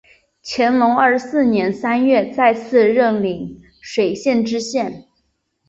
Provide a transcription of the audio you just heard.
乾隆二十四年三月再次任邻水县知县。